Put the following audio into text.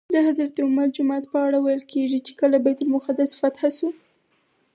د حضرت عمر جومات په اړه ویل کېږي چې کله بیت المقدس فتح شو.